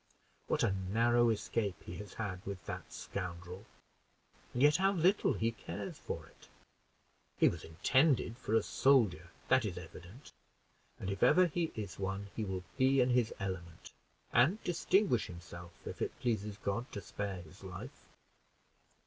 What a narrow escape he has had with that scoundrel, and yet how little he cares for it! He was intended for a soldier, that is evident; and, if ever he is one, he will be in his element, and distinguish himself, if it pleases God to spare his life.